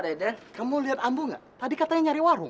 eh pak deden kamu lihat ambu gak tadi katanya nyari warung